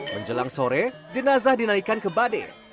menjelang sore jenazah dinaikkan ke bade